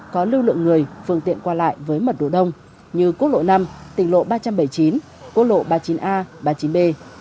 có lưu lượng người phương tiện qua lại với mật độ đông như quốc lộ năm tỉnh lộ ba trăm bảy mươi chín quốc lộ ba mươi chín a ba mươi chín b